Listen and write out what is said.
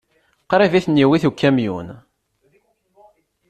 Qrib ay ten-iwit ukamyun.